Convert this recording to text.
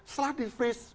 setelah di freeze